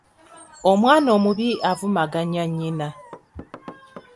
Omwana omubi avumaganya nnyina.